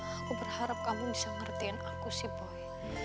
aku berharap kamu bisa ngertiin aku sih boy